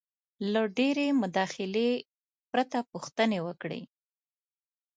-له ډېرې مداخلې پرته پوښتنې وکړئ: